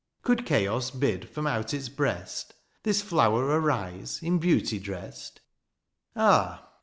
" Could chaos bid fr^m out its breast " This flower arise, in beauty dressed ?'^ Ah